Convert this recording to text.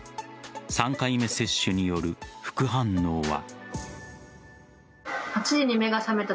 ３回目接種による副反応は。